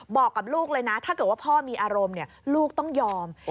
บอกกับลูกเลยนะถ้าเกิดว่าพ่อมีอารมณ์ลูกต้องยอม